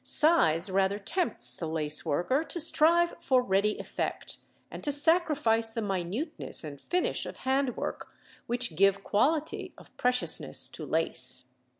Size rather tempts the lace worker to strive for ready effect, and to sacrifice the minuteness and finish of hand work, which give quality of preciousness to lace.